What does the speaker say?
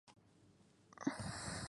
Fue partidario del Anschluss.